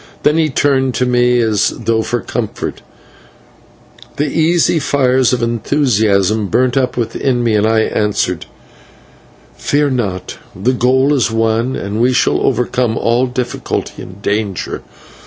Then he turned to me as though for comfort, and the easy fires of enthusiasm burnt up within me and I answered: "Fear not, the goal is won, and we shall overcome all difficulty and danger.